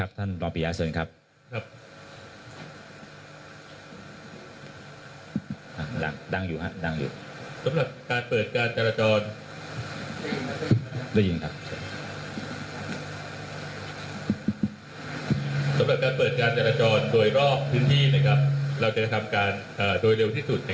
สำหรับการเปิดการจราจรโดยรอบพื้นที่เราจะทำการโดยเร็วที่สุด